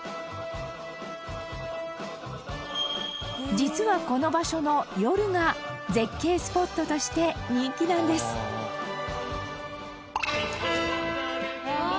実は、この場所の夜が絶景スポットとして人気なんです本仮屋：うわー！